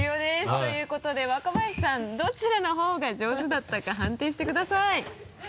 ということで若林さんどちらのほうが上手だったか判定してください。